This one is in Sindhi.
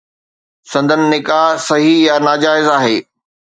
سندن نڪاح صحيح يا ناجائز آهي